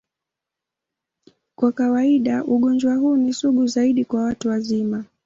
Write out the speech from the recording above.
Kwa kawaida, ugonjwa huu ni sugu zaidi kwa watu wazima.